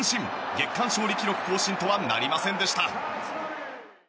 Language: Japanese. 月間勝利記録更新とはなりませんでした。